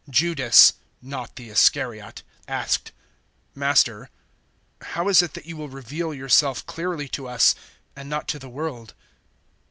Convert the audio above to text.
014:022 Judas (not the Iscariot) asked, "Master, how is it that you will reveal yourself clearly to us and not to the world?"